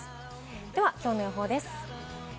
ではきょうの予報です。